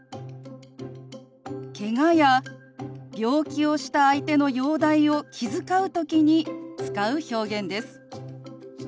けがや病気をした相手の容体を気遣う時に使う表現です。